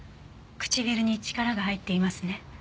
唇に力が入っていますね。